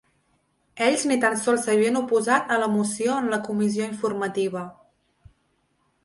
Ells ni tan sols s’havien oposat a la moció en la comissió informativa.